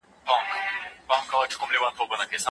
ښوونکي د شاګردانو لپاره ډېر زیار باسي.